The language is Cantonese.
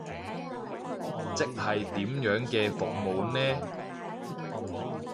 即係點樣嘅服務呢？